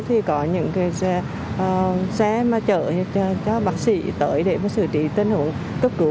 thì có những xe mà chở cho bác sĩ tới để xử trí tên hữu cấp cứu